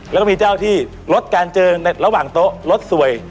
แล้วก็มีเจ้าที่ลดการเจอในระหว่างโต๊ะรถสวย